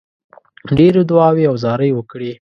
ډېرې دعاوي او زارۍ وکړې.